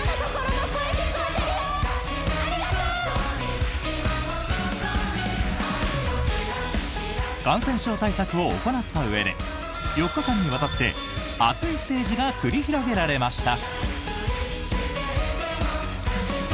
ありがとう！感染症対策を行ったうえで４日間にわたって熱いステージが繰り広げられました。